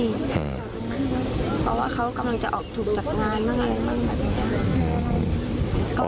เพราะว่าเขากำลังจะออกถูกจัดงานบ้าง